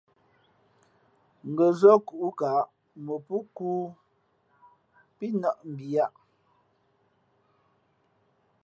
Ngα̌ zά kūʼkaʼ mα pō khu pí nάʼ mbiyāʼ.